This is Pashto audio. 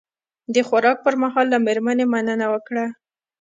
د خوراک پر مهال له میرمنې مننه وکړه.